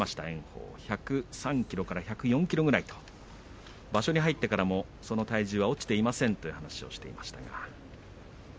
炎鵬、１０３ｋｇから１０４ｋｇくらいと場所に入ってからもその体重は落ちていませんと話していました。